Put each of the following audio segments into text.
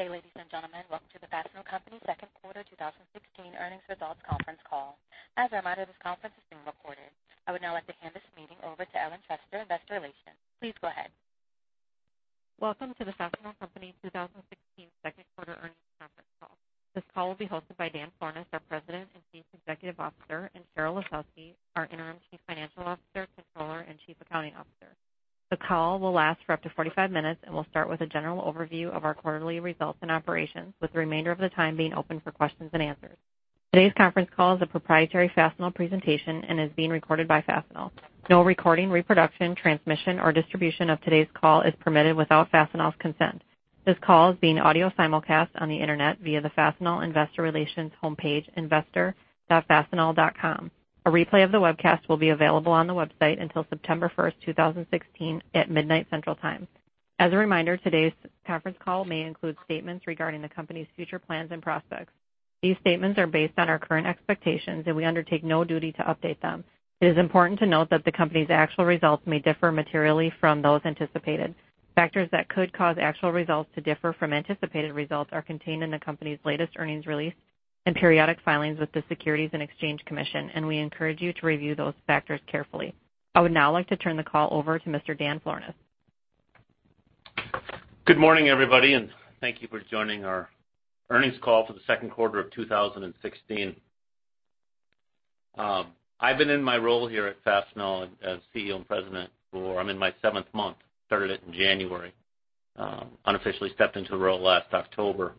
Hey, ladies and gentlemen. Welcome to the Fastenal Company Second Quarter 2016 Earnings Results Conference Call. As a reminder, this conference is being recorded. I would now like to hand this meeting over to Ellen Trester, investor relations. Please go ahead. Welcome to the Fastenal Company 2016 Second Quarter Earnings Conference Call. This call will be hosted by Dan Florness, our President and Chief Executive Officer, and Sheryl A. Lisowski, our interim Chief Financial Officer, Controller, and Chief Accounting Officer. The call will last for up to 45 minutes and will start with a general overview of our quarterly results and operations, with the remainder of the time being open for questions and answers. Today's conference call is a proprietary Fastenal presentation and is being recorded by Fastenal. No recording, reproduction, transmission, or distribution of today's call is permitted without Fastenal's consent. This call is being audio simulcast on the internet via the Fastenal Investor Relations homepage, investor.fastenal.com. A replay of the webcast will be available on the website until September 1st, 2016, at midnight Central Time. As a reminder, today's conference call may include statements regarding the company's future plans and prospects. These statements are based on our current expectations. We undertake no duty to update them. It is important to note that the company's actual results may differ materially from those anticipated. Factors that could cause actual results to differ from anticipated results are contained in the company's latest earnings release and periodic filings with the Securities and Exchange Commission. We encourage you to review those factors carefully. I would now like to turn the call over to Mr. Dan Florness. Good morning, everybody. Thank you for joining our earnings call for the Second Quarter of 2016. I've been in my role here at Fastenal as CEO and President for I'm in my seventh month. Started it in January. Unofficially stepped into the role last October.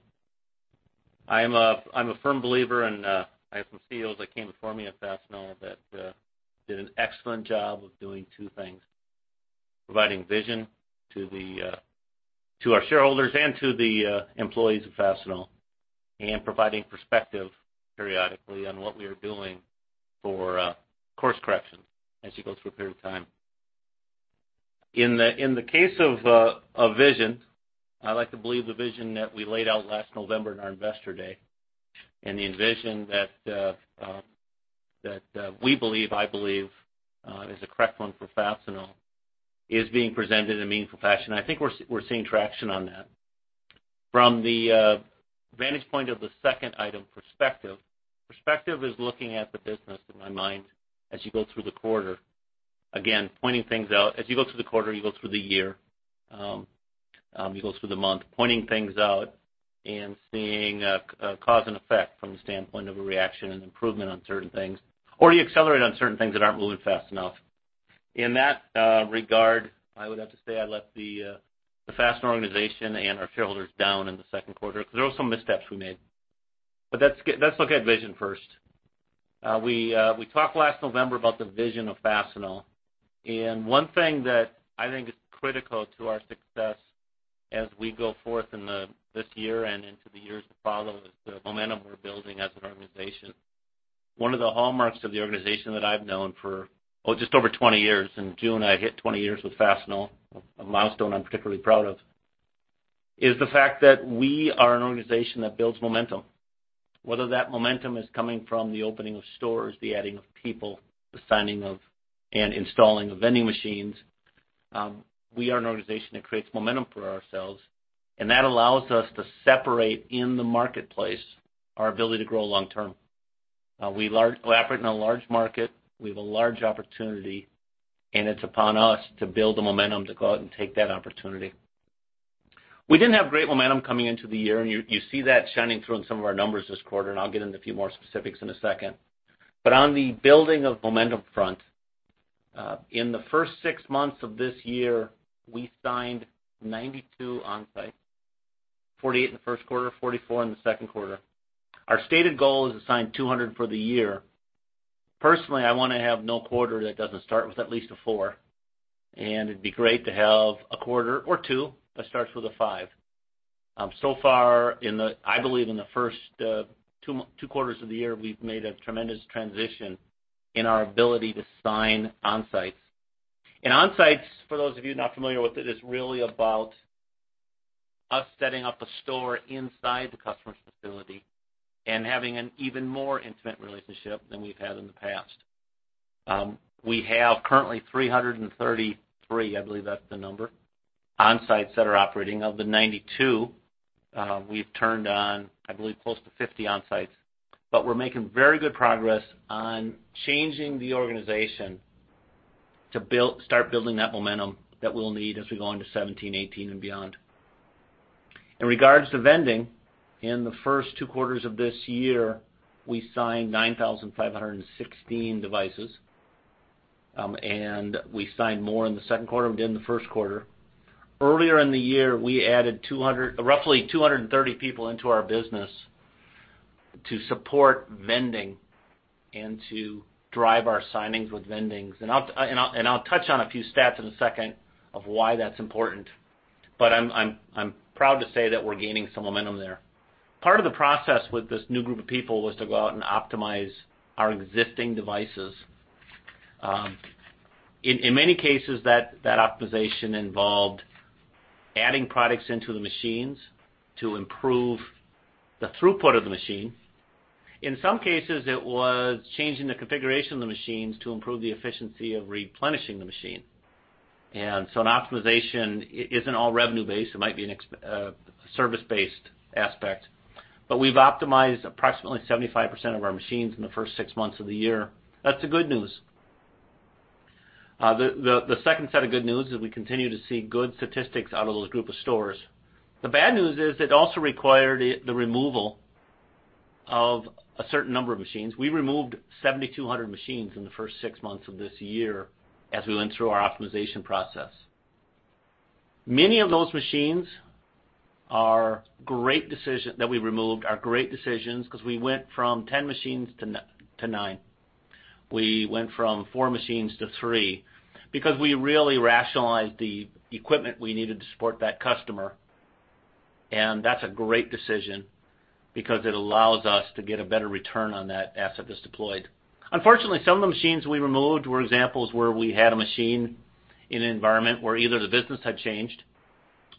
I'm a firm believer. I have some CEOs that came before me at Fastenal that did an excellent job of doing two things, providing vision to our shareholders and to the employees of Fastenal, and providing perspective periodically on what we are doing for course correction as you go through a period of time. In the case of vision, I like to believe the vision that we laid out last November in our Investor Day and the envision that we believe, I believe, is the correct one for Fastenal, is being presented in a meaningful fashion. I think we're seeing traction on that. From the vantage point of the second item, perspective. Perspective is looking at the business, in my mind, as you go through the quarter. Again, pointing things out. As you go through the quarter, you go through the year, you go through the month, pointing things out and seeing cause and effect from the standpoint of a reaction and improvement on certain things, or you accelerate on certain things that aren't moving fast enough. In that regard, I would have to say I let the Fastenal organization and our shareholders down in the second quarter because there were some missteps we made. Let's look at vision first. One thing that I think is critical to our success as we go forth in this year and into the years to follow, is the momentum we're building as an organization. One of the hallmarks of the organization that I've known for, oh, just over 20 years. In June, I hit 20 years with Fastenal, a milestone I'm particularly proud of, is the fact that we are an organization that builds momentum. Whether that momentum is coming from the opening of stores, the adding of people, the signing of and installing of vending machines, we are an organization that creates momentum for ourselves, that allows us to separate in the marketplace our ability to grow long term. We operate in a large market, we have a large opportunity, it's upon us to build the momentum to go out and take that opportunity. We didn't have great momentum coming into the year, you see that shining through in some of our numbers this quarter, I'll get into a few more specifics in a second. On the building of momentum front, in the first six months of this year, we signed 92 Onsites, 48 in the first quarter, 44 in the second quarter. Our stated goal is to sign 200 for the year. Personally, I want to have no quarter that doesn't start with at least a four, it'd be great to have a quarter or two that starts with a five. So far, I believe in the first two quarters of the year, we've made a tremendous transition in our ability to sign Onsites. Onsites, for those of you not familiar with it, is really about us setting up a store inside the customer's facility and having an even more intimate relationship than we've had in the past. We have currently 333, I believe that's the number, Onsites that are operating. Of the 92, we've turned on, I believe, close to 50 Onsites. We're making very good progress on changing the organization to start building that momentum that we'll need as we go into 2017, 2018, and beyond. In regards to vending, in the first two quarters of this year, we signed 9,516 devices, we signed more in the second quarter than the first quarter. Earlier in the year, we added roughly 230 people into our business to support vending to drive our signings with vendings. I'll touch on a few stats in a second of why that's important, I'm proud to say that we're gaining some momentum there. Part of the process with this new group of people was to go out and optimize our existing devices. In many cases, that optimization involved adding products into the machines to improve the throughput of the machine. In some cases, it was changing the configuration of the machines to improve the efficiency of replenishing the machine. An optimization isn't all revenue-based, it might be a service-based aspect. We've optimized approximately 75% of our machines in the first six months of the year. That's the good news. The second set of good news is we continue to see good statistics out of those group of stores. The bad news is it also required the removal of a certain number of machines. We removed 7,200 machines in the first six months of this year as we went through our optimization process. Many of those machines that we removed are great decisions, because we went from 10 machines to nine. We went from four machines to three, because we really rationalized the equipment we needed to support that customer, and that's a great decision because it allows us to get a better return on that asset that's deployed. Unfortunately, some of the machines we removed were examples where we had a machine in an environment where either the business had changed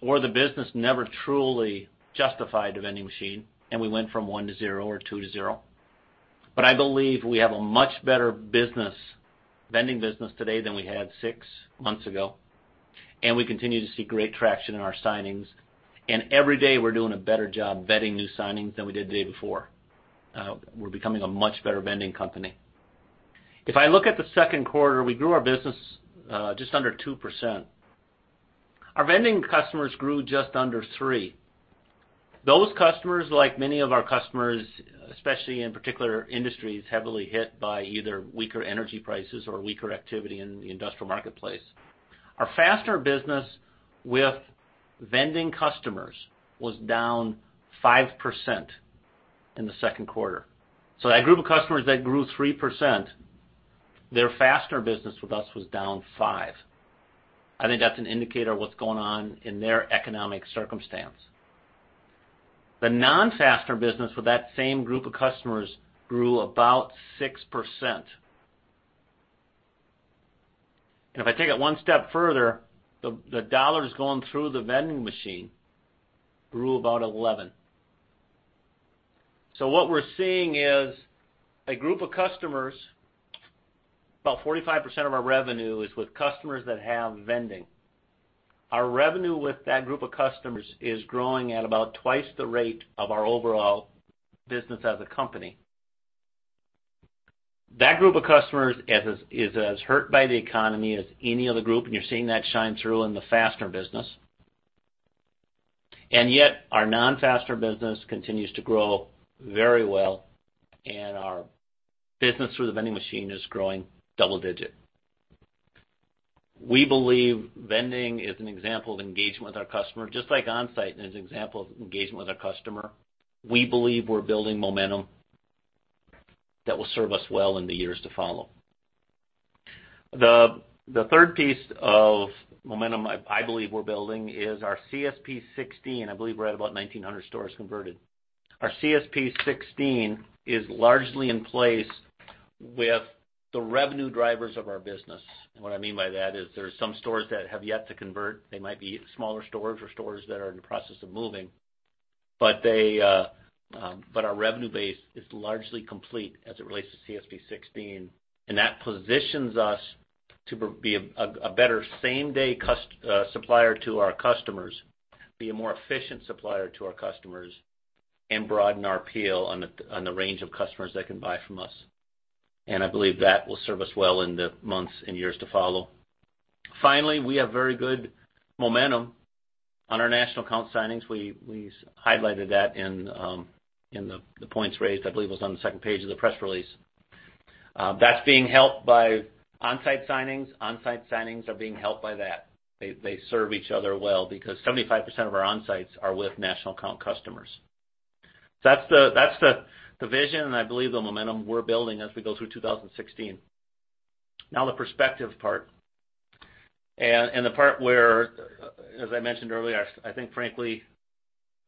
or the business never truly justified the vending machine, and we went from one to zero or two to zero. I believe we have a much better vending business today than we had six months ago, and we continue to see great traction in our signings. Every day we're doing a better job vetting new signings than we did the day before. We're becoming a much better vending company. If I look at the second quarter, we grew our business just under 2%. Our vending customers grew just under 3%. Those customers, like many of our customers, especially in particular industries heavily hit by either weaker energy prices or weaker activity in the industrial marketplace. Our fastener business with vending customers was down 5% in the second quarter. That group of customers that grew 3%, their fastener business with us was down 5%. I think that's an indicator of what's going on in their economic circumstance. The non-fastener business with that same group of customers grew about 6%. If I take it one step further, the dollars going through the vending machine grew about 11. What we're seeing is a group of customers, about 45% of our revenue is with customers that have vending. Our revenue with that group of customers is growing at about twice the rate of our overall business as a company. That group of customers is as hurt by the economy as any other group, and you're seeing that shine through in the fastener business. Our non-fastener business continues to grow very well, and our business through the vending machine is growing double digit. We believe vending is an example of engagement with our customer, just like Onsites is an example of engagement with our customer. We believe we're building momentum that will serve us well in the years to follow. The third piece of momentum I believe we're building is our CSP 16. I believe we're at about 1,900 stores converted. Our CSP 16 is largely in place with the revenue drivers of our business. What I mean by that is there are some stores that have yet to convert. They might be smaller stores or stores that are in the process of moving. Our revenue base is largely complete as it relates to CSP 16, that positions us to be a better same-day supplier to our customers, be a more efficient supplier to our customers, broaden our appeal on the range of customers that can buy from us. I believe that will serve us well in the months and years to follow. Finally, we have very good momentum on our national account signings. We highlighted that in the points raised, I believe it was on the second page of the press release. That's being helped by Onsite signings. Onsite signings are being helped by that. They serve each other well because 75% of our Onsites are with national account customers. That's the vision and I believe the momentum we're building as we go through 2016. The perspective part and the part where, as I mentioned earlier, I think frankly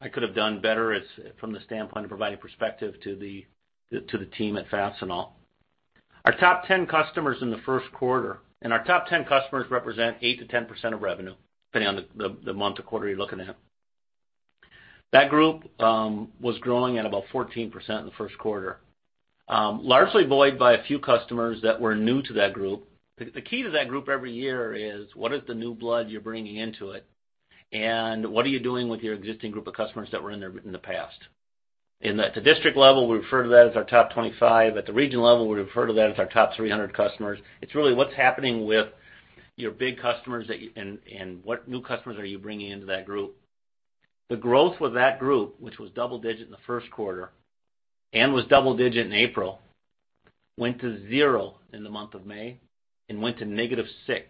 I could have done better is from the standpoint of providing perspective to the team at Fastenal. Our top 10 customers in the first quarter, our top 10 customers represent 8%-10% of revenue, depending on the month to quarter you're looking at. That group was growing at about 14% in the first quarter, largely buoyed by a few customers that were new to that group. The key to that group every year is, what is the new blood you're bringing into it, and what are you doing with your existing group of customers that were in there in the past? In the district level, we refer to that as our top 25. At the region level, we refer to that as our top 300 customers. It's really what's happening with your big customers, what new customers are you bringing into that group. The growth with that group, which was double digit in the first quarter and was double digit in April, went to 0% in the month of May and went to -6%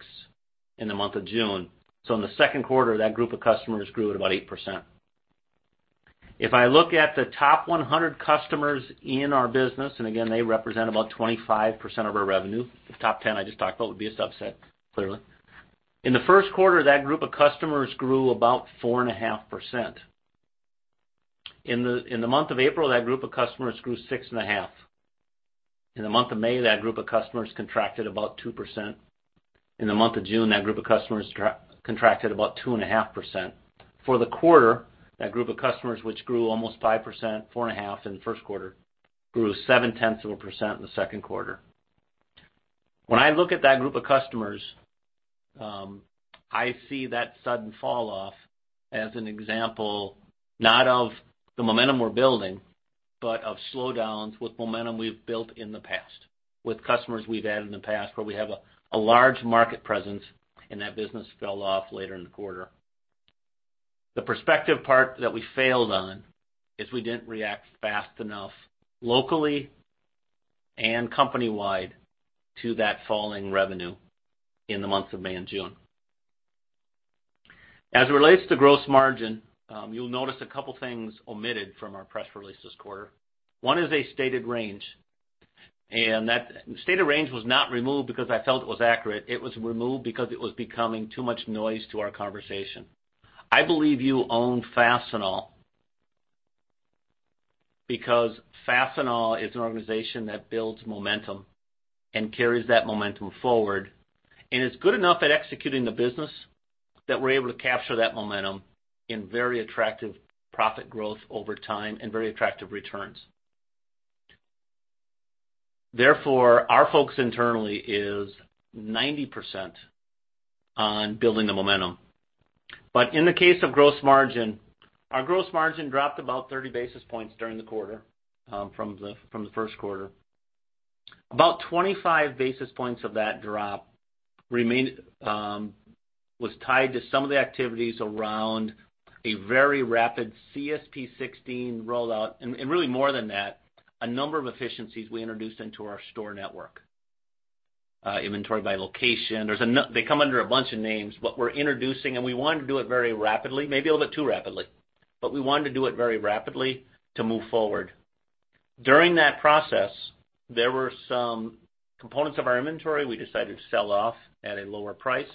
in the month of June. In the second quarter, that group of customers grew at about 8%. If I look at the top 100 customers in our business, again, they represent about 25% of our revenue. The top 10 I just talked about would be a subset, clearly. In the first quarter, that group of customers grew about 4.5%. In the month of April, that group of customers grew 6.5%. In the month of May, that group of customers contracted about 2%. In the month of June, that group of customers contracted about 2.5%. For the quarter, that group of customers, which grew almost 5%, 4.5% in the first quarter grew 0.7% in the second quarter. When I look at that group of customers, I see that sudden falloff as an example, not of the momentum we're building, but of slowdowns with momentum we've built in the past, with customers we've added in the past, where we have a large market presence, and that business fell off later in the quarter. The perspective part that we failed on is we didn't react fast enough, locally and company-wide, to that falling revenue in the months of May and June. As it relates to gross margin, you'll notice a couple of things omitted from our press release this quarter. One is a stated range. That stated range was not removed because I felt it was accurate. It was removed because it was becoming too much noise to our conversation. I believe you own Fastenal because Fastenal is an organization that builds momentum and carries that momentum forward, and is good enough at executing the business that we're able to capture that momentum in very attractive profit growth over time and very attractive returns. Our focus internally is 90% on building the momentum. In the case of gross margin, our gross margin dropped about 30 basis points during the quarter from the first quarter. About 25 basis points of that drop was tied to some of the activities around a very rapid CSP16 rollout, and really more than that, a number of efficiencies we introduced into our store network. Inventory by location, they come under a bunch of names, we're introducing, and we wanted to do it very rapidly, maybe a little bit too rapidly. We wanted to do it very rapidly to move forward. During that process, there were some components of our inventory we decided to sell off at a lower price.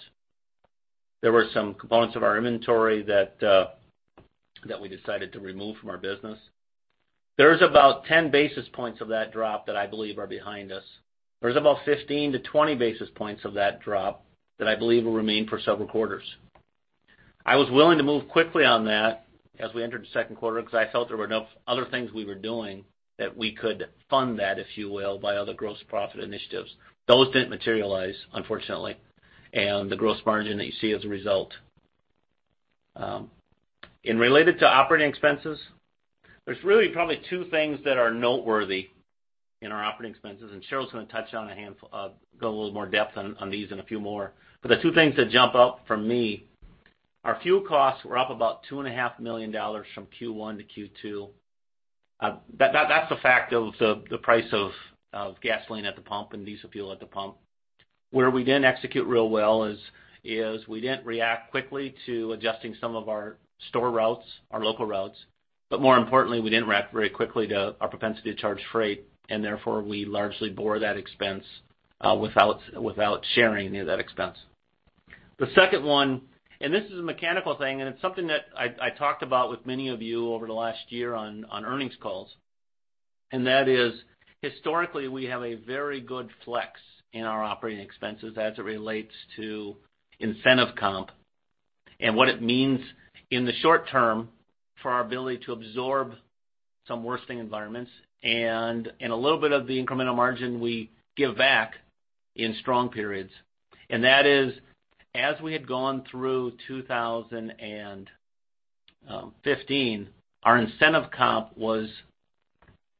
There were some components of our inventory that we decided to remove from our business. There's about 10 basis points of that drop that I believe are behind us. There's about 15 to 20 basis points of that drop that I believe will remain for several quarters. I was willing to move quickly on that as we entered the second quarter because I felt there were other things we were doing that we could fund that, if you will, by other gross profit initiatives. Those didn't materialize, unfortunately, the gross margin that you see as a result. Related to operating expenses, there's really probably two things that are noteworthy in our operating expenses, and Sheryl's going to touch on a handful, go a little more depth on these and a few more. The two things that jump out for me, our fuel costs were up about $2.5 million from Q1 to Q2. That's a fact of the price of gasoline at the pump and diesel fuel at the pump. Where we didn't execute real well is we didn't react quickly to adjusting some of our store routes, our local routes. More importantly, we didn't react very quickly to our propensity to charge freight, and therefore, we largely bore that expense without sharing any of that expense. The second one, this is a mechanical thing, it's something that I talked about with many of you over the last year on earnings calls, that is, historically, we have a very good flex in our operating expenses as it relates to incentive comp and what it means in the short term for our ability to absorb some worsening environments and a little bit of the incremental margin we give back in strong periods. That is, as we had gone through 2015, our incentive comp was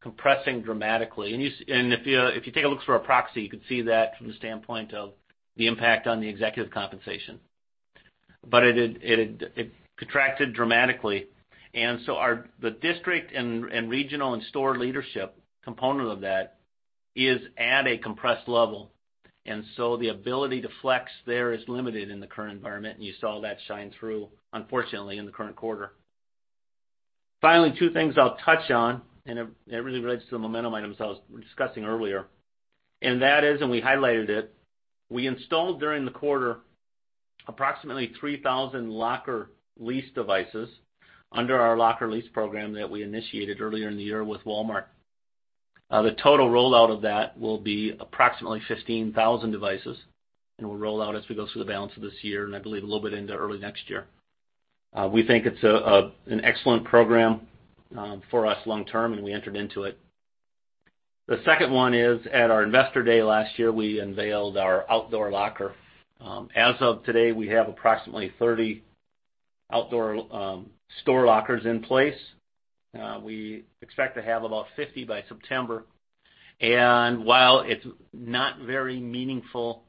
compressing dramatically. If you take a look through our proxy, you could see that from the standpoint of the impact on the executive compensation. It contracted dramatically. The district and regional and store leadership component of that is at a compressed level. The ability to flex there is limited in the current environment, and you saw that shine through, unfortunately, in the current quarter. Finally, two things I'll touch on, and it really relates to the momentum items I was discussing earlier, and that is, and we highlighted it, we installed during the quarter approximately 3,000 locker lease devices under our locker lease program that we initiated earlier in the year with Walmart. The total rollout of that will be approximately 15,000 devices and will roll out as we go through the balance of this year and I believe a little bit into early next year. We think it's an excellent program for us long term, and we entered into it. The second one is at our Investor Day last year, we unveiled our outdoor locker. As of today, we have approximately 30 outdoor store lockers in place. We expect to have about 50 by September. While it's not very meaningful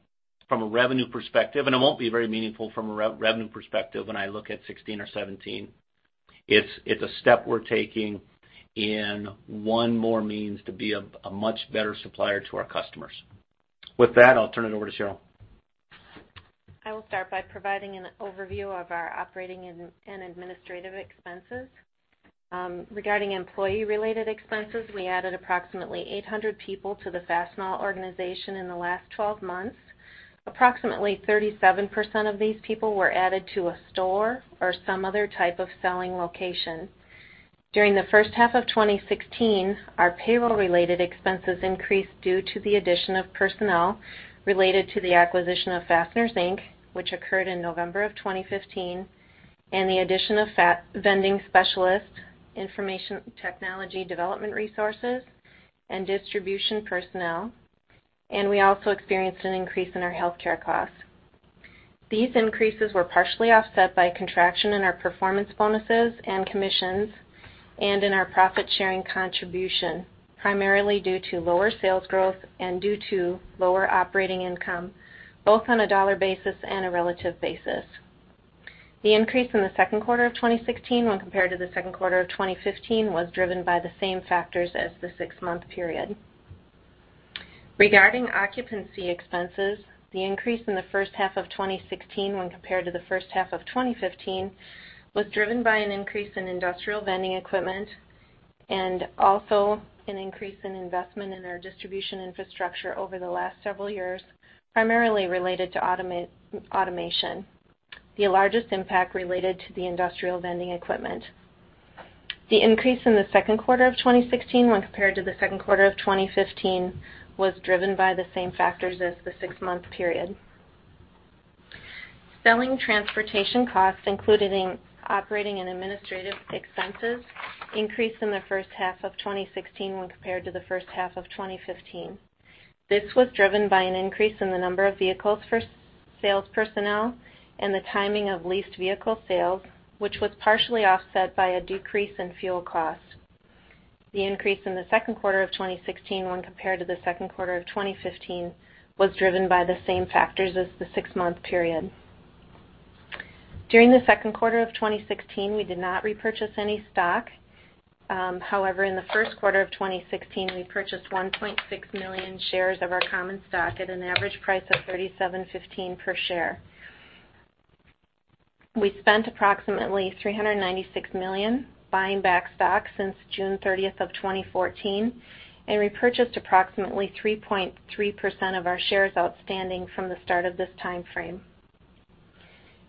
from a revenue perspective, and it won't be very meaningful from a revenue perspective when I look at 2016 or 2017, it's a step we're taking and one more means to be a much better supplier to our customers. With that, I'll turn it over to Sheryl. I will start by providing an overview of our operating and administrative expenses. Regarding employee-related expenses, we added approximately 800 people to the Fastenal organization in the last 12 months. Approximately 37% of these people were added to a store or some other type of selling location. During the first half of 2016, our payroll-related expenses increased due to the addition of personnel related to the acquisition of Fasteners, Inc., which occurred in November of 2015, and the addition of vending specialists, information technology development resources, and distribution personnel. We also experienced an increase in our healthcare costs. These increases were partially offset by contraction in our performance bonuses and commissions, and in our profit-sharing contribution, primarily due to lower sales growth and due to lower operating income, both on a dollar basis and a relative basis. The increase in the second quarter of 2016 when compared to the second quarter of 2015, was driven by the same factors as the six-month period. Regarding occupancy expenses, the increase in the first half of 2016 when compared to the first half of 2015, was driven by an increase in industrial vending equipment and also an increase in investment in our distribution infrastructure over the last several years, primarily related to automation. The largest impact related to the industrial vending equipment. The increase in the second quarter of 2016 when compared to the second quarter of 2015, was driven by the same factors as the six-month period. Selling transportation costs, including operating and administrative expenses, increased in the first half of 2016 when compared to the first half of 2015. This was driven by an increase in the number of vehicles for sales personnel and the timing of leased vehicle sales, which was partially offset by a decrease in fuel cost. The increase in the second quarter of 2016 when compared to the second quarter of 2015, was driven by the same factors as the six-month period. During the second quarter of 2016, we did not repurchase any stock. However, in the first quarter of 2016, we purchased 1.6 million shares of our common stock at an average price of $37.15 per share. We spent approximately $396 million buying back stock since June 30, 2014, and repurchased approximately 3.3% of our shares outstanding from the start of this timeframe.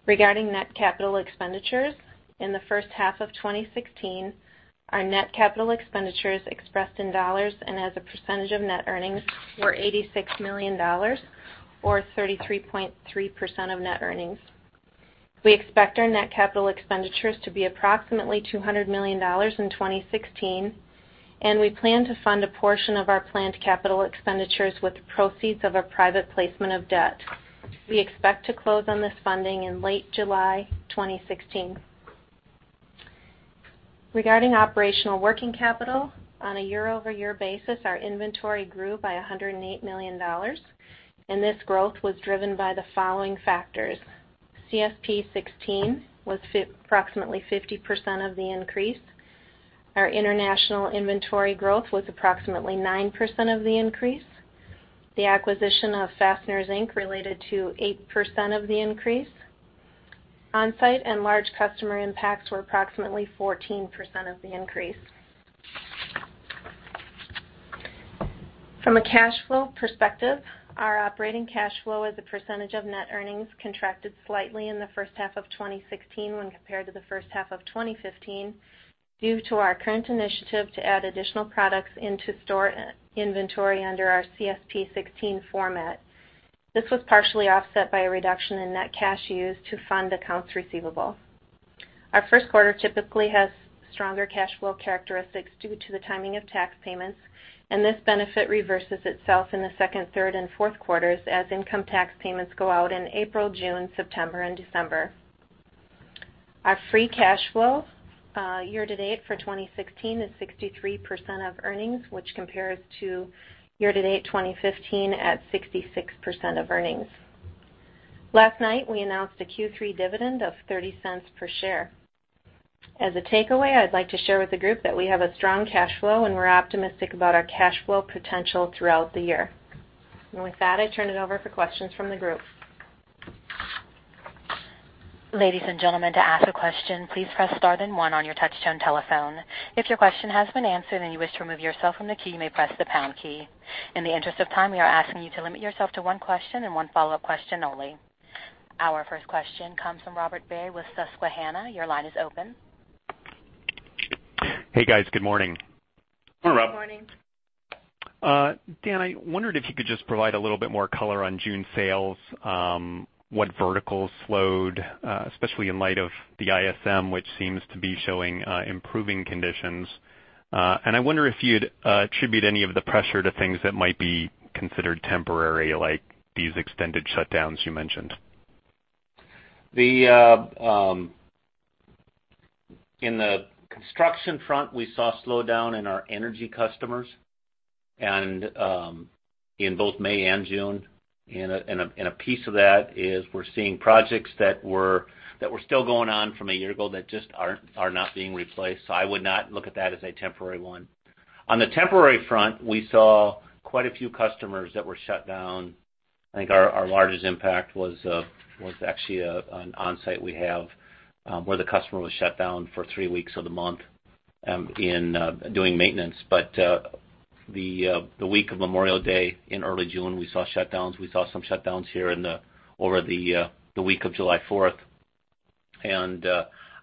Regarding net capital expenditures, in the first half of 2016, our net capital expenditures expressed in dollars and as a percentage of net earnings were $86 million, or 33.3% of net earnings. We expect our net capital expenditures to be approximately $200 million in 2016, we plan to fund a portion of our planned capital expenditures with the proceeds of a private placement of debt. We expect to close on this funding in late July 2016. Regarding operational working capital, on a year-over-year basis, our inventory grew by $108 million, this growth was driven by the following factors: CSP 16 was approximately 50% of the increase. Our international inventory growth was approximately 9% of the increase. The acquisition of Fasteners, Inc. related to 8% of the increase. Onsites and large customer impacts were approximately 14% of the increase. From a cash flow perspective, our operating cash flow as a percentage of net earnings contracted slightly in the first half of 2016 when compared to the first half of 2015, due to our current initiative to add additional products into store inventory under our CSP 16 format. This was partially offset by a reduction in net cash used to fund accounts receivable. Our first quarter typically has stronger cash flow characteristics due to the timing of tax payments, this benefit reverses itself in the second, third, and fourth quarters as income tax payments go out in April, June, September, and December. Our free cash flow year-to-date for 2016 is 63% of earnings, which compares to year-to-date 2015 at 66% of earnings. Last night, we announced a Q3 dividend of $0.30 per share. As a takeaway, I'd like to share with the group that we have a strong cash flow, we're optimistic about our cash flow potential throughout the year. With that, I turn it over for questions from the group. Ladies and gentlemen, to ask a question, please press star then one on your touch-tone telephone. If your question has been answered and you wish to remove yourself from the queue, you may press the pound key. In the interest of time, we are asking you to limit yourself to one question and one follow-up question only. Our first question comes from Robert Barry with Susquehanna. Your line is open. Hey, guys. Good morning. Good morning. Good morning. Dan, I wondered if you could just provide a little bit more color on June sales, what verticals slowed, especially in light of the ISM, which seems to be showing improving conditions. I wonder if you'd attribute any of the pressure to things that might be considered temporary, like these extended shutdowns you mentioned. In the construction front, we saw a slowdown in our energy customers and in both May and June, a piece of that is we're seeing projects that were still going on from a year ago that just are not being replaced. I would not look at that as a temporary one. On the temporary front, we saw quite a few customers that were shut down. I think our largest impact was actually an Onsite we have, where the customer was shut down for three weeks of the month in doing maintenance. The week of Memorial Day in early June, we saw shutdowns. We saw some shutdowns here over the week of July 4th.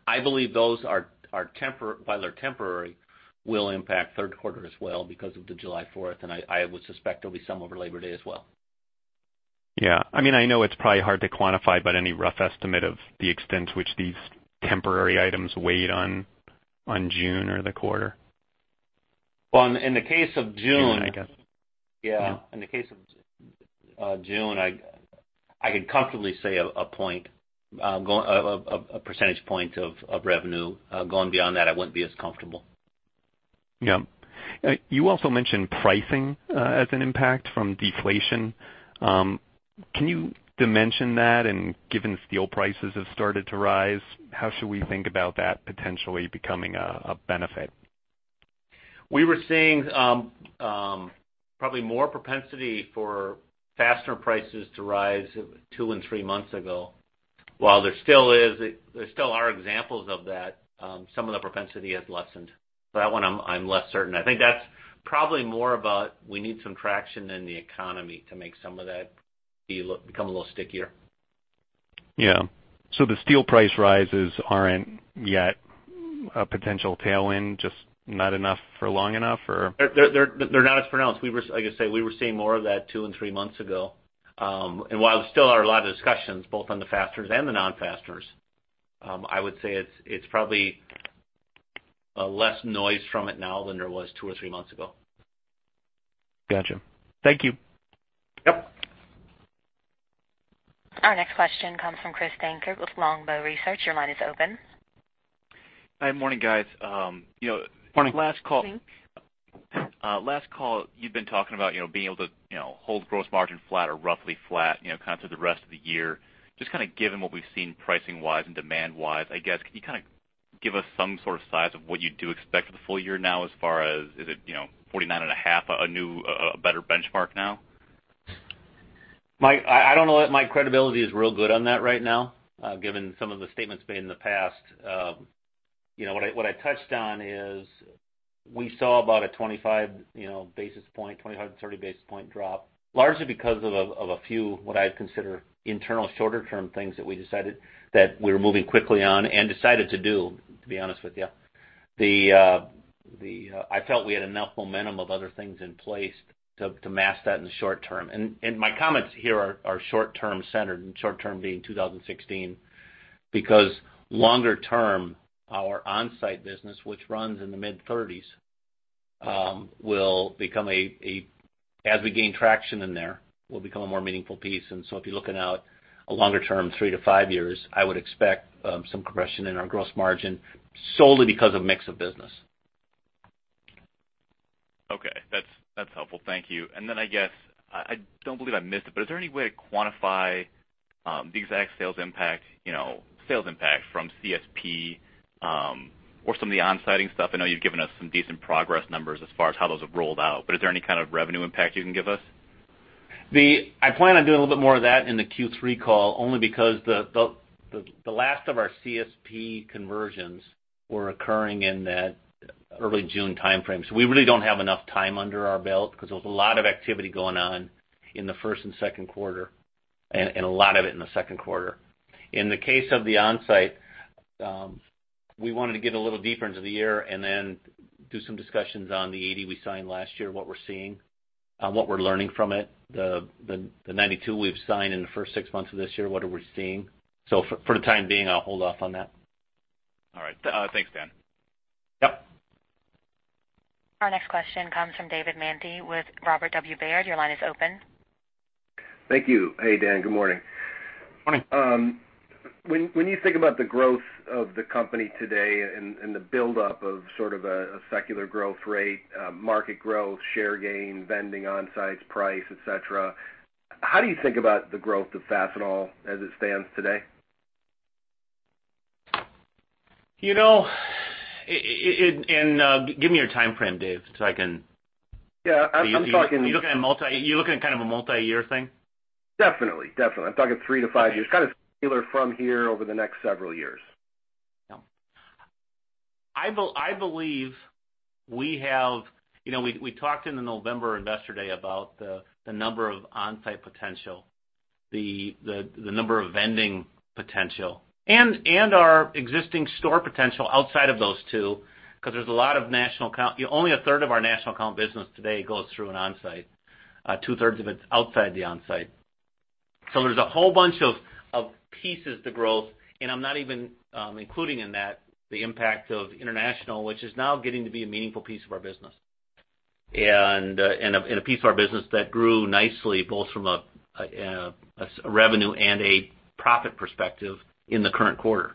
I believe those, while they're temporary, will impact third quarter as well because of the July 4th, and I would suspect there'll be some over Labor Day as well Yeah. I know it's probably hard to quantify, but any rough estimate of the extent to which these temporary items weighed on June or the quarter? Well, in the case of June- I guess. Yeah. In the case of June, I could comfortably say a percentage point of revenue. Going beyond that, I wouldn't be as comfortable. Yep. You also mentioned pricing as an impact from deflation. Can you dimension that? Given steel prices have started to rise, how should we think about that potentially becoming a benefit? We were seeing probably more propensity for fastener prices to rise two and three months ago. While there still are examples of that, some of the propensity has lessened. For that one, I'm less certain. I think that's probably more about we need some traction in the economy to make some of that become a little stickier. Yeah. The steel price rises aren't yet a potential tailwind, just not enough for long enough, or? They're not as pronounced. Like I say, we were seeing more of that two and three months ago. While there still are a lot of discussions both on the fasteners and the non-fasteners, I would say it's probably less noise from it now than there was two or three months ago. Got you. Thank you. Yep. Our next question comes from Christopher Dankert with Longbow Research. Your line is open. Hi. Morning, guys. Morning. Last call, you've been talking about being able to hold gross margin flat or roughly flat, kind of through the rest of the year. Just kind of given what we've seen pricing wise and demand wise, I guess, could you kind of give us some sort of size of what you do expect for the full year now as far as, is it 49.5%, a better benchmark now? Mike, I don't know that my credibility is real good on that right now, given some of the statements made in the past. What I touched on is we saw about a 25, 30 basis point drop, largely because of a few, what I'd consider, internal shorter term things that we decided that we were moving quickly on and decided to do, to be honest with you. I felt we had enough momentum of other things in place to mask that in the short term. My comments here are short term centered and short term being 2016, because longer term, our Onsite business, which runs in the mid-30s, as we gain traction in there, will become a more meaningful piece. If you're looking out a longer term, three to five years, I would expect some compression in our gross margin solely because of mix of business. Okay. That's helpful. Thank you. Then I guess, I don't believe I missed it, but is there any way to quantify the exact sales impact from CSP or some of the on-siting stuff? I know you've given us some decent progress numbers as far as how those have rolled out, but is there any kind of revenue impact you can give us? I plan on doing a little bit more of that in the Q3 call, only because the last of our CSP conversions were occurring in that early June timeframe. We really don't have enough time under our belt because there was a lot of activity going on in the first and second quarter, and a lot of it in the second quarter. In the case of the Onsite, we wanted to get a little deeper into the year and then do some discussions on the 80 we signed last year, what we're seeing, what we're learning from it. The 92 we've signed in the first six months of this year, what are we seeing. For the time being, I'll hold off on that. All right. Thanks, Dan. Yep. Our next question comes from David Manthey with Robert W. Baird. Your line is open. Thank you. Hey, Dan. Good morning. Morning. When you think about the growth of the company today and the buildup of sort of a secular growth rate, market growth, share gain, vending Onsites, price, et cetera, how do you think about the growth of Fastenal as it stands today? Give me your timeframe, Dave, so I can. Yeah, I'm talking. You're looking at kind of a multi-year thing? Definitely. I'm talking 3 to 5 years, kind of secular from here over the next several years. Yeah. We talked in the November Investor Day about the number of Onsite potential, the number of vending potential, and our existing store potential outside of those two, because only a third of our national account business today goes through an Onsite. Two-thirds of it's outside the Onsite. There's a whole bunch of pieces to growth, and I'm not even including in that the impact of international, which is now getting to be a meaningful piece of our business, and a piece of our business that grew nicely, both from a revenue and a profit perspective in the current quarter.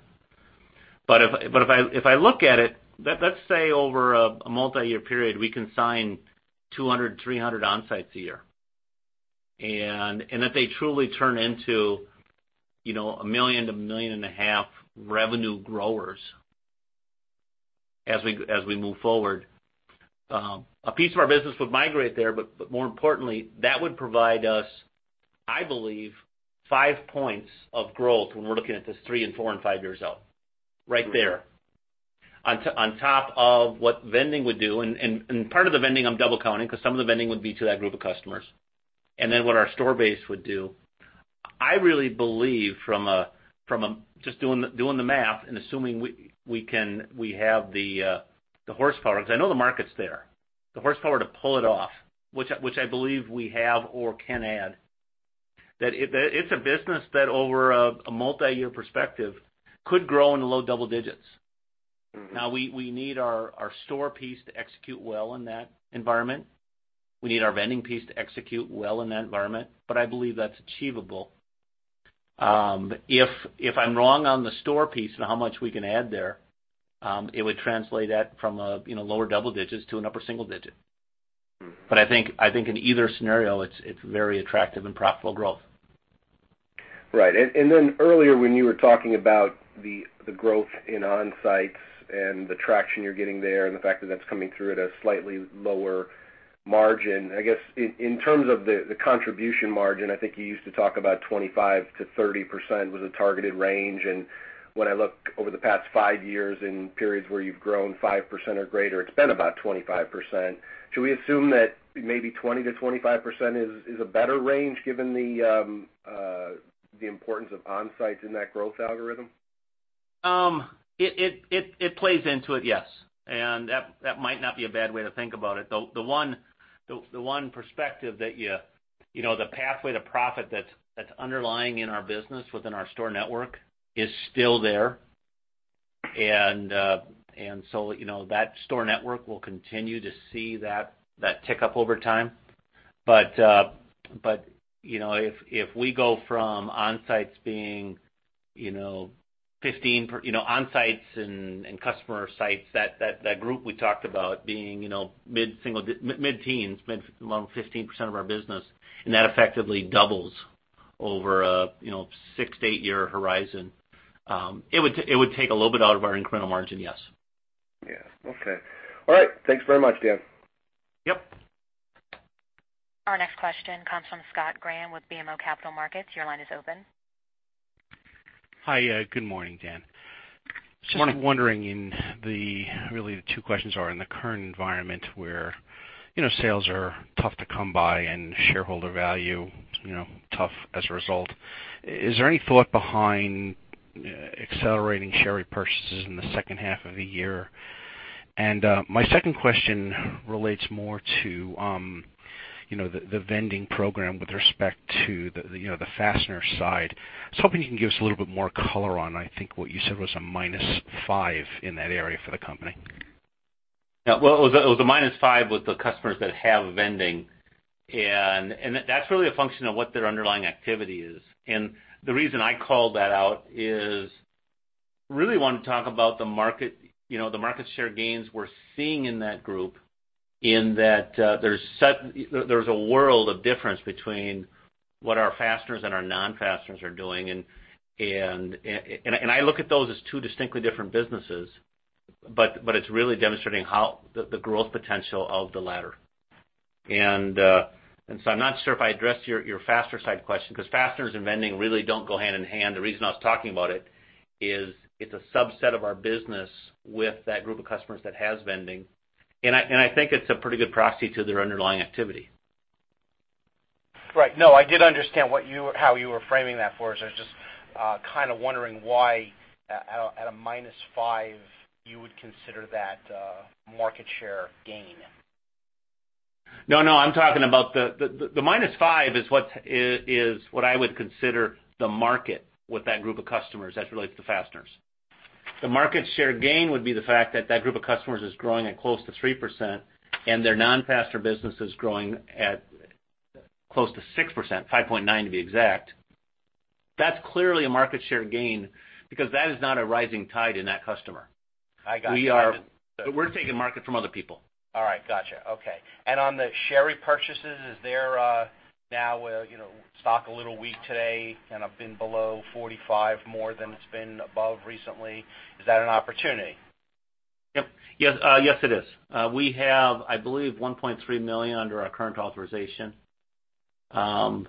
If I look at it, let's say over a multi-year period, we can sign 200, 300 Onsites a year. If they truly turn into a $1 million to $1.5 million revenue growers as we move forward, a piece of our business would migrate there. More importantly, that would provide us, I believe, 5 points of growth when we're looking at this three and four and five years out, right there, on top of what vending would do. Part of the vending I'm double counting, because some of the vending would be to that group of customers. What our store base would do I really believe from just doing the math and assuming we have the horsepower, because I know the market's there, the horsepower to pull it off, which I believe we have or can add, that it's a business that over a multi-year perspective, could grow in the low double digits. We need our store piece to execute well in that environment. We need our vending piece to execute well in that environment. I believe that's achievable. If I'm wrong on the store piece and how much we can add there, it would translate that from a lower double digits to an upper single digit. I think in either scenario, it's very attractive and profitable growth. Right. Earlier when you were talking about the growth in Onsites and the traction you're getting there and the fact that's coming through at a slightly lower margin, I guess in terms of the contribution margin, I think you used to talk about 25%-30% was a targeted range. When I look over the past five years in periods where you've grown 5% or greater, it's been about 25%. Should we assume that maybe 20%-25% is a better range given the importance of Onsites in that growth algorithm? It plays into it, yes. That might not be a bad way to think about it. The one perspective that the pathway to profit that's underlying in our business within our store network is still there. So that store network will continue to see that tick up over time. If we go from Onsites and customer sites, that group we talked about being mid-teens, around 15% of our business, and that effectively doubles over a six to eight-year horizon. It would take a little bit out of our incremental margin, yes. Yeah. Okay. All right. Thanks very much, Dan. Yep. Our next question comes from Scott Graham with BMO Capital Markets. Your line is open. Hi. Good morning, Dan. Good morning. Just wondering in the, really the two questions are, in the current environment where sales are tough to come by and shareholder value tough as a result, is there any thought behind accelerating share repurchases in the second half of the year? My second question relates more to the vending program with respect to the fastener side. I was hoping you can give us a little bit more color on, I think what you said was a minus five in that area for the company. Yeah. Well, it was a -5% with the customers that have vending, and that's really a function of what their underlying activity is. The reason I called that out is really want to talk about the market share gains we're seeing in that group in that there's a world of difference between what our fasteners and our non-fasteners are doing, and I look at those as two distinctly different businesses. It's really demonstrating the growth potential of the latter. I'm not sure if I addressed your fastener side question, because fasteners and vending really don't go hand in hand. The reason I was talking about it is it's a subset of our business with that group of customers that has vending, and I think it's a pretty good proxy to their underlying activity. Right. No, I did understand how you were framing that for us. I was just kind of wondering why at a -5% you would consider that a market share gain. No, I'm talking about the -5% is what I would consider the market with that group of customers as it relates to fasteners. The market share gain would be the fact that group of customers is growing at close to 3%, and their non-fastener business is growing at close to 6%, 5.9% to be exact. That's clearly a market share gain because that is not a rising tide in that customer. I got you. we're taking market from other people. All right. Got you. Okay. On the share repurchases, is there now a stock a little weak today, kind of been below 45 more than it's been above recently. Is that an opportunity? Yep. Yes, it is. We have, I believe, $1.3 million under our current authorization. I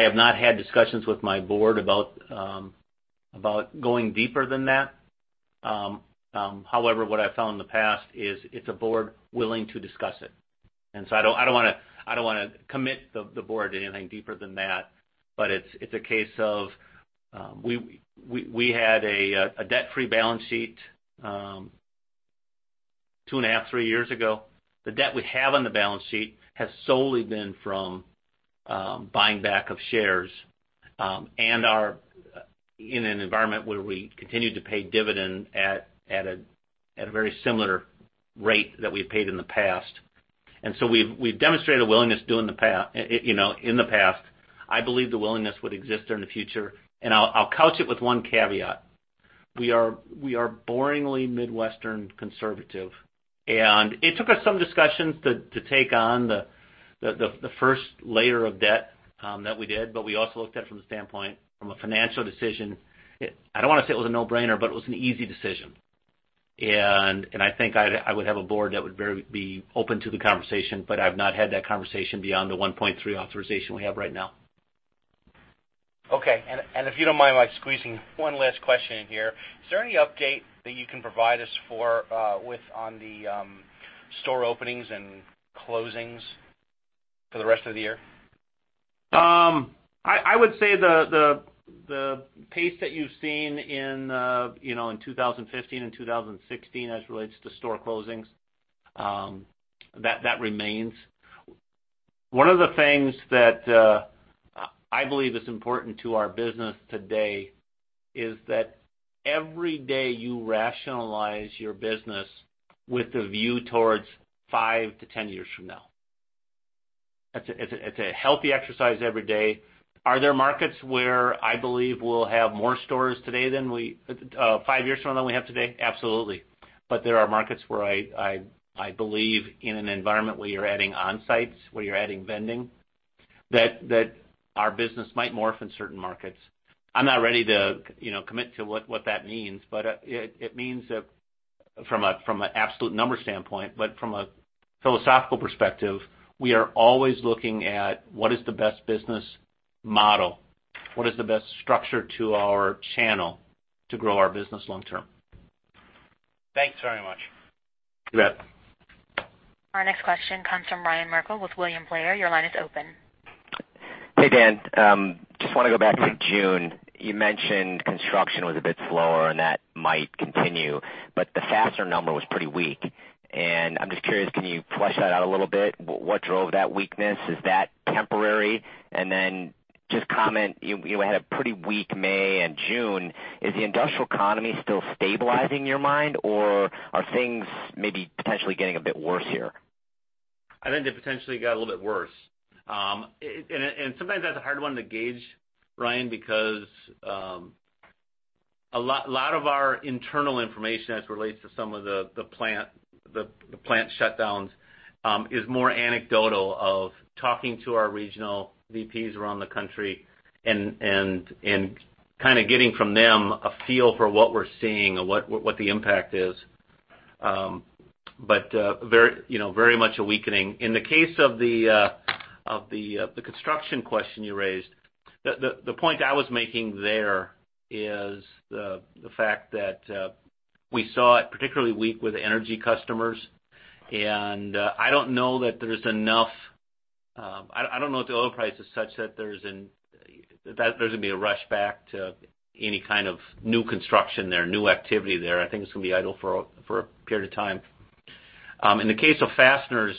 have not had discussions with my board about going deeper than that. However, what I've found in the past is it's a board willing to discuss it. So I don't want to commit the board to anything deeper than that, but it's a case of, we had a debt-free balance sheet two and a half, three years ago. The debt we have on the balance sheet has solely been from buying back of shares, and are in an environment where we continue to pay dividend at a very similar rate that we paid in the past. So we've demonstrated a willingness in the past. I believe the willingness would exist there in the future. I'll couch it with one caveat. We are boringly Midwestern conservative. It took us some discussions to take on the first layer of debt that we did, but we also looked at it from the standpoint, from a financial decision, I don't want to say it was a no-brainer, but it was an easy decision. I think I would have a board that would be open to the conversation, but I've not had that conversation beyond the $1.3 authorization we have right now. Okay. If you don't mind my squeezing one last question in here, is there any update that you can provide us with on the store openings and closings for the rest of the year? I would say the pace that you've seen in 2015 and 2016 as it relates to store closings, that remains. One of the things that I believe is important to our business today is that every day you rationalize your business with a view towards five to 10 years from now. It's a healthy exercise every day. Are there markets where I believe we'll have more stores five years from now than we have today? Absolutely. There are markets where I believe in an environment where you're adding Onsites, where you're adding vending, that our business might morph in certain markets. I'm not ready to commit to what that means, but it means that from an absolute number standpoint, but from a philosophical perspective, we are always looking at what is the best business model, what is the best structure to our channel to grow our business long term. Thanks very much. You bet. Our next question comes from Ryan Merkel with William Blair. Your line is open. Hey, Dan. Just want to go back to June. You mentioned construction was a bit slower and that might continue, but the fastener number was pretty weak. I'm just curious, can you flesh that out a little bit? What drove that weakness? Is that temporary? Then just comment, you had a pretty weak May and June. Is the industrial economy still stabilizing in your mind, or are things maybe potentially getting a bit worse here? I think they potentially got a little bit worse. Sometimes that's a hard one to gauge, Ryan, because a lot of our internal information as it relates to some of the plant shutdowns, is more anecdotal of talking to our regional VPs around the country and kind of getting from them a feel for what we're seeing or what the impact is. Very much a weakening. In the case of the construction question you raised, the point I was making there is the fact that we saw it particularly weak with energy customers, and I don't know if the oil price is such that there's going to be a rush back to any kind of new construction there, new activity there. I think it's going to be idle for a period of time. In the case of fasteners,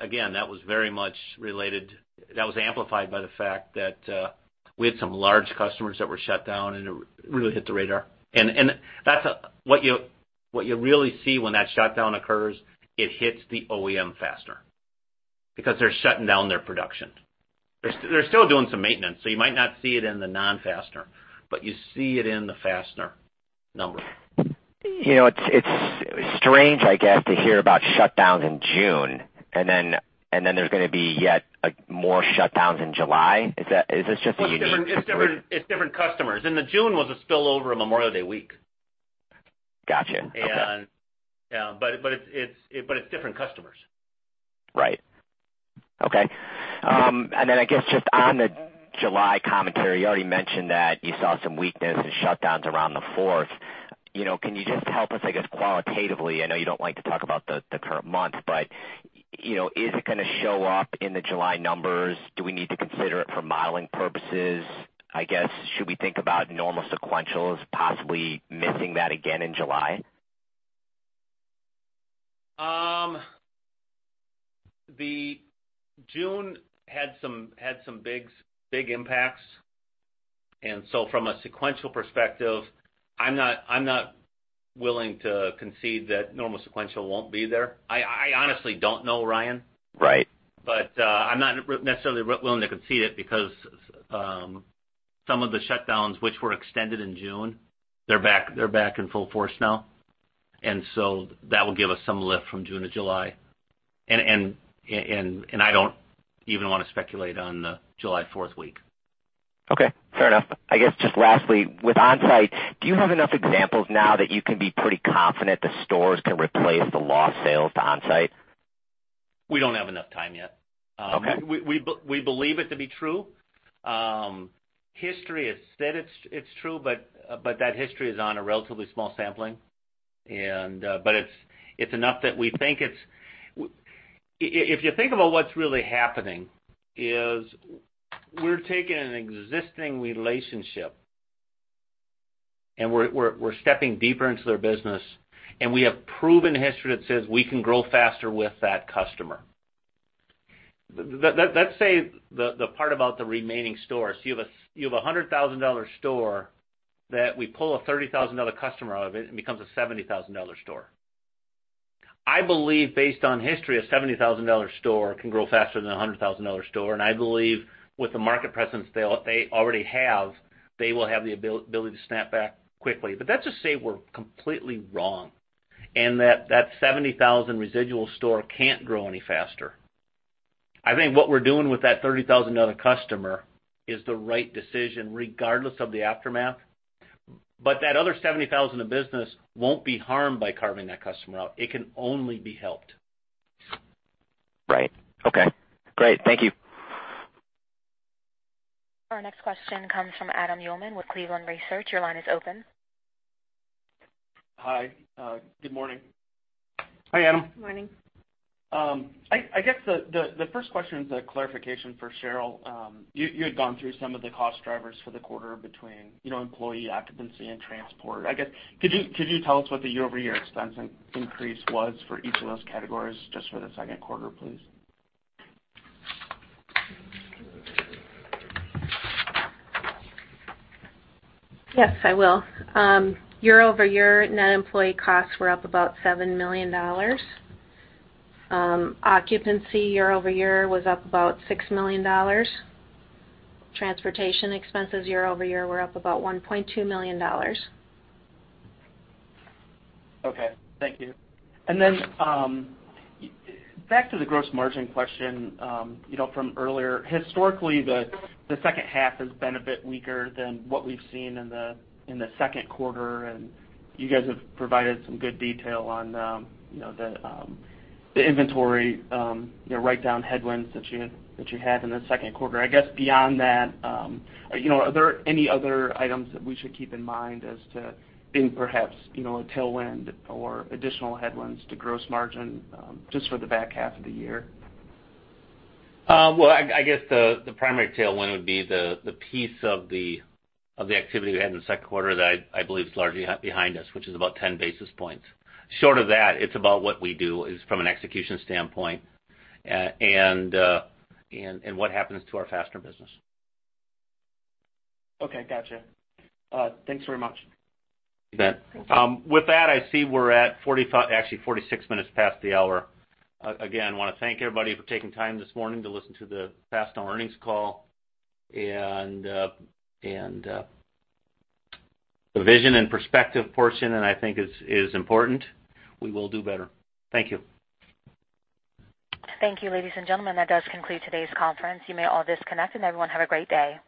again, that was very much related. That was amplified by the fact that we had some large customers that were shut down, and it really hit the radar. What you really see when that shutdown occurs, it hits the OEM fastener because they're shutting down their production. They're still doing some maintenance, so you might not see it in the non-fastener, but you see it in the fastener number. It's strange, I guess, to hear about shutdowns in June, and then there's going to be yet more shutdowns in July. Is this just a unique situation? It's different customers. In the June was a spillover of Memorial Day week. Got you. Okay. Yeah. It's different customers. Right. Okay. Then I guess just on the July commentary, you already mentioned that you saw some weakness and shutdowns around the fourth. Can you just help us, I guess, qualitatively, I know you don't like to talk about the current month, but is it going to show up in the July numbers? Do we need to consider it for modeling purposes? I guess, should we think about normal sequential as possibly missing that again in July? The June had some big impacts, so from a sequential perspective, I'm not willing to concede that normal sequential won't be there. I honestly don't know, Ryan. Right. I'm not necessarily willing to concede it because some of the shutdowns which were extended in June, they're back in full force now. That will give us some lift from June to July. I don't even want to speculate on the July fourth week. Okay. Fair enough. I guess just lastly, with Onsites, do you have enough examples now that you can be pretty confident the stores can replace the lost sales to Onsites? We don't have enough time yet. Okay. We believe it to be true. That history is on a relatively small sampling. It's enough that we think. If you think about what's really happening is we're taking an existing relationship, and we're stepping deeper into their business, and we have proven history that says we can grow fastener with that customer. Let's say the part about the remaining stores. You have a $100,000 store that we pull a $30,000 customer out of it, and it becomes a $70,000 store. I believe based on history, a $70,000 store can grow fastener than a $100,000 store, and I believe with the market presence they already have, they will have the ability to snap back quickly. Let's just say we're completely wrong, and that 70,000 residual store can't grow any fastener. I think what we're doing with that $30,000 customer is the right decision regardless of the aftermath. That other $70,000 of business won't be harmed by carving that customer out. It can only be helped. Right. Okay, great. Thank you. Our next question comes from Adam Uhlman with Cleveland Research. Your line is open. Hi. Good morning. Hi, Adam. Morning. I guess the first question is a clarification for Sheryl. You had gone through some of the cost drivers for the quarter between employee occupancy and transport. I guess, could you tell us what the year-over-year expense increase was for each of those categories just for the second quarter, please? Yes, I will. Year-over-year net employee costs were up about $7 million. Occupancy year-over-year was up about $6 million. Transportation expenses year-over-year were up about $1.2 million. Okay. Thank you. Then, back to the gross margin question from earlier. Historically, the second half has been a bit weaker than what we've seen in the second quarter, and you guys have provided some good detail on the inventory writedown headwinds that you had in the second quarter. I guess beyond that, are there any other items that we should keep in mind as to perhaps a tailwind or additional headwinds to gross margin just for the back half of the year? Well, I guess the primary tailwind would be the piece of the activity we had in the second quarter that I believe is largely behind us, which is about 10 basis points. Short of that, it's about what we do from an execution standpoint and what happens to our fastener business. Okay. Got you. Thanks very much. You bet. With that, I see we're at 46 minutes past the hour. Again, want to thank everybody for taking time this morning to listen to the Fastenal earnings call and the vision and perspective portion that I think is important. We will do better. Thank you. Thank you, ladies and gentlemen. That does conclude today's conference. You may all disconnect, and everyone have a great day.